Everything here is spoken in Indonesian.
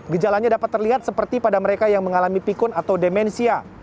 gejalanya dapat terlihat seperti pada mereka yang mengalami pikun atau demensia